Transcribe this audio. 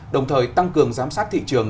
đồng thời tăng cường giám sát thị trường